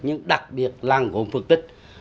nhưng đặc biệt làng gốm phật tịch